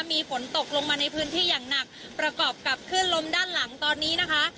มีฝนตกลงมาในพื้นที่อย่างหนักประกอบกับขึ้นลมด้านหลังตอนนี้นะคะ